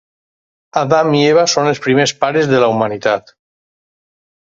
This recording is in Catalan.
Adam i Eva són els primers pares de la humanitat.